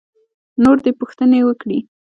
نور دې پوښتنې وکړي.